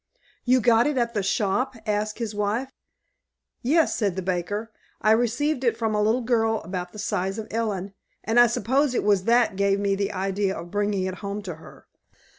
"You got it at the shop?" asked his wife. "Yes," said the baker; "I received it from a little girl about the size of Ellen, and I suppose it was that gave me the idea of bringing it home to her."